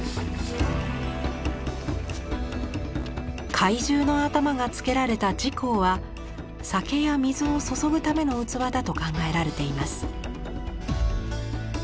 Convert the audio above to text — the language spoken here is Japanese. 怪獣の頭がつけられたは酒や水を注ぐための器だと考えられています。